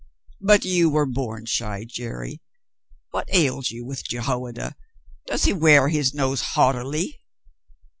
"But you were born shy, Jerry. What ails you with Jehoiada? Does he wear his nose haughtily